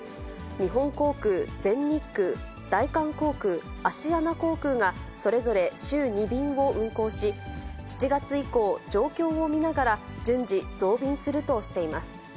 日本航空、全日空、大韓航空、アシアナ航空がそれぞれ週２便を運航し、７月以降、状況を見ながら、順次、増便するとしています。